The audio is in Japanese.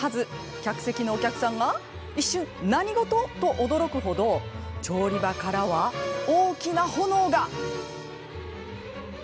客席のお客さんが一瞬何事？と驚く程調理場からは大きな炎が。